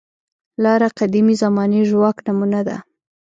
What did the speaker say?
لاره قدیمې زمانې ژواک نمونه نه ده.